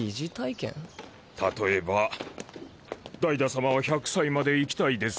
例えばダイダ様は１００歳まで生きたいですか？